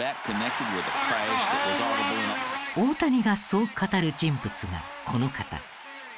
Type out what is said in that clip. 大谷がそう語る人物がこの方。